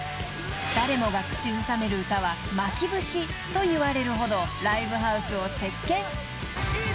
［誰もが口ずさめる歌はＭａｋｉ節といわれるほどライブハウスを席巻］